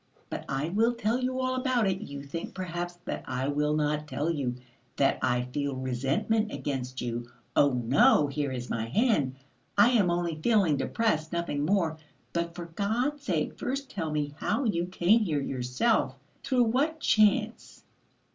"But I will tell you all about it. You think, perhaps, that I will not tell you. That I feel resentment against you. Oh, no! Here is my hand. I am only feeling depressed, nothing more. But for God's sake, first tell me how you came here yourself? Through what chance?